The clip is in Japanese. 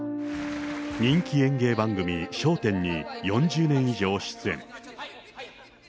人気演芸番組、笑点に４０年以上出演。